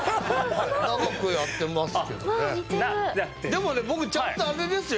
でもね僕ちゃんとあれですよ。